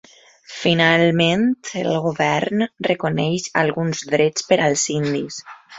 Finalment, el govern reconeix alguns drets per als indis.